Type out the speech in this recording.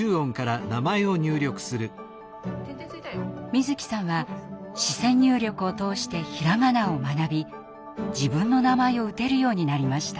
みづきさんは視線入力を通して平仮名を学び自分の名前を打てるようになりました。